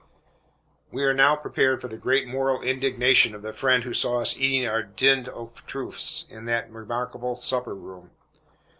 We are now prepared for the great moral indignation of the friend who saw us eating our dinde aux truffes in that remarkable supper room.